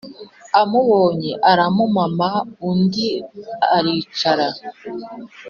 amubonye aramumama, undi aricara.